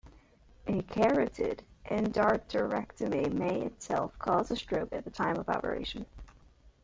A carotid endarterectomy may itself cause a stroke at the time of operation.